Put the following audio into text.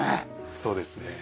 そうですね。